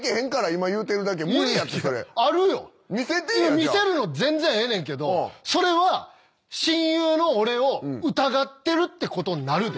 見せるの全然ええねんけどそれは親友の俺を疑ってるってことになるで。